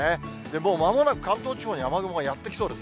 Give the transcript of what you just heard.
もうまもなく関東地方に雨雲がやって来そうです。